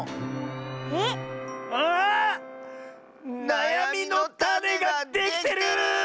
なやみのタネができてる！